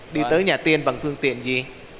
đi tới nhà tiên bằng phương tiện gì